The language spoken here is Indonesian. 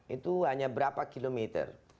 itu hanya berapa kilometer